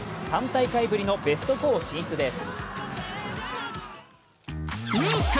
３大会ぶりのベスト４進出です。